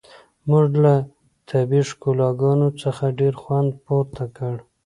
موږ له طبیعي ښکلاګانو څخه ډیر خوند پورته کړ